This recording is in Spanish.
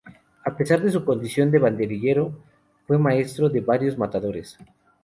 A pesar de su condición de banderillero fue maestro de varios matadores.